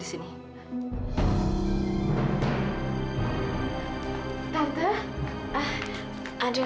dit mekenang kabar kerja